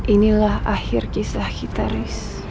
inilah akhir kisah kita ri